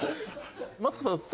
マツコさん。